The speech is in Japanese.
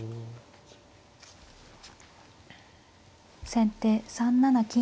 先手３七金。